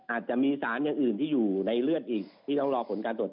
อาจจะมีสารอย่างอื่นที่อยู่ในเลือดอีกที่ต้องรอผลการตรวจ